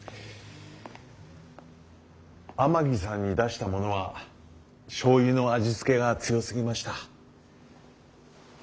天城さんに出したものはしょうゆの味付けが強すぎました。